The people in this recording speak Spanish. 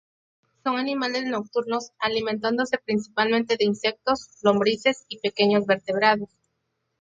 Son animales nocturnos, alimentándose principalmente de insectos, lombrices y pequeños vertebrados.